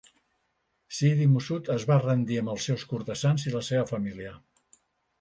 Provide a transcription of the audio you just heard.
Siddi Musud es va rendir amb els seus cortesans i la seva família.